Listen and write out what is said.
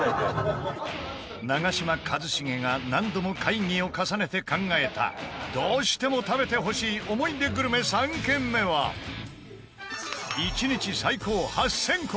長嶋一茂が何度も会議を重ねて考えたどうしても食べてほしい思い出グルメ、３軒目は１日最高８０００個！